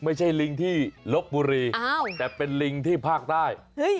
ลิงที่ลบบุรีแต่เป็นลิงที่ภาคใต้